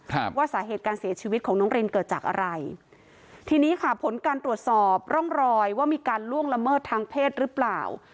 ว่าสาเหตุการเสียชีวิตของน้องรินเกิดจากอะไรทีนี้ค่ะผลการตรวจสอบร่องรอยว่ามีการล่วงละเมิดทางเพศหรือเปล่า